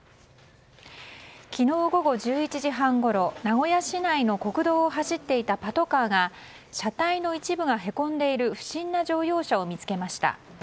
昨日午後１１時半ごろ名古屋市内の国道を走っていたパトカーが車体の一部がへこんでいる不審な乗用車を見つけました。